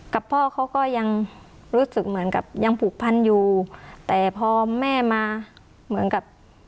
กับพ่อเขาก็ยังรู้สึกเหมือนกับยังผูกพันอยู่แต่พอแม่มาเหมือนกับ